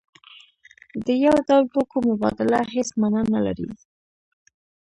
د یو ډول توکو مبادله هیڅ مانا نلري.